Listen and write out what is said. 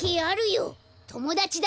ともだちだろ！